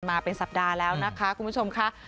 มาเป็นสัปดาห์แล้วนะคะคุณผู้ชมค่ะ